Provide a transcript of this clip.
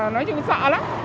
nói chung sợ lắm